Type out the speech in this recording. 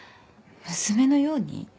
娘のように？